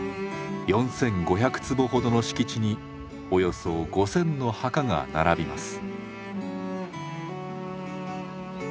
４，５００坪ほどの敷地におよそ５，０００の墓が並びます。